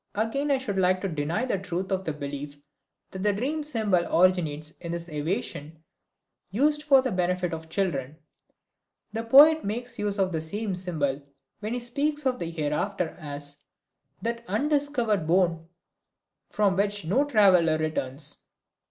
Again I should like to deny the truth of the belief that the dream symbol originates in this evasion used for the benefit of children. The poet makes use of the same symbol when he speaks of the Hereafter as "that undiscovered bourne from which no traveler returns."